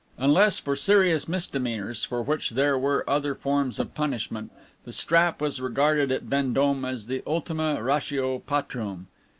Unless for serious misdemeanors, for which there were other forms of punishment, the strap was regarded at Vendome as the ultima ratio Patrum.